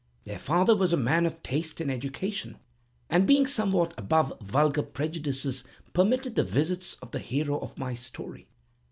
Their father was a man of taste and education, and, being somewhat above vulgar prejudices, permitted the visits of the hero of my story.